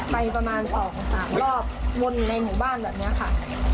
ไปประมาณสองสามรอบวนในหมู่บ้านแบบเนี่ยค่ะ